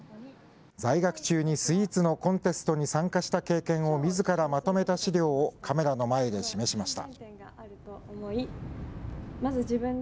在学中にスイーツのコンテストに参加した経験をみずからまとめた資料をカメラの前で示しました。